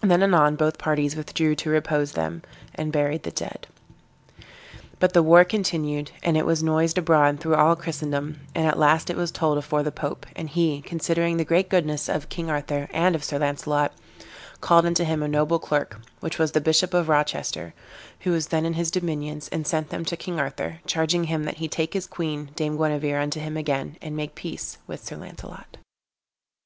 Then anon both parties withdrew to repose them, and buried the dead. But the war continued, and it was noised abroad through all Christendom, and at last it was told afore the pope; and he, considering the great goodness of King Arthur, and of Sir Launcelot, called unto him a noble clerk, which was the Bishop of Rochester, who was then in his dominions, and sent him to King Arthur, charging him that he take his queen, dame Guenever, unto him again, and make peace with Sir Launcelot.